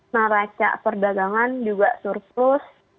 naraca perdagangan juga surplus